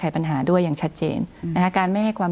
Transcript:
คุณปริณาค่ะหลังจากนี้จะเกิดอะไรขึ้นอีกได้บ้าง